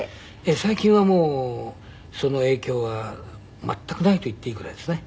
最近はもうその影響は全くないと言っていいぐらいですね。